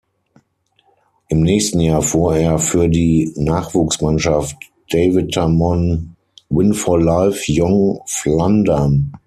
Im nächsten Jahr fuhr er für die Nachwuchsmannschaft Davitamon-Win for Life-Jong Vlaanderen.